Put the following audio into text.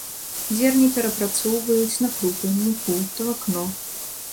Зерне перапрацоўваюць на крупы, муку, талакно.